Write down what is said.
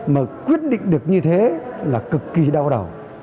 mà quyết định được như thế là cực kỳ đau đầu